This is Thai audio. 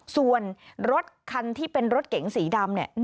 ส่วนรถคันที่เป็นรถเก๋งสีดำเนี่ย